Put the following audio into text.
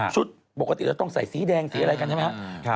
ปกติเราต้องใส่สีแดงสีอะไรกันใช่ไหมครับ